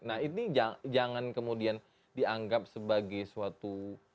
nah ini jangan kemudian dianggap sebagai suatu